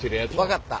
分かった。